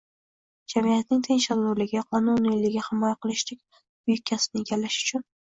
Jamiyatning tinch-totuvligini, qonuniylikni himoya qilishdek buyuk kasbni egallash uchun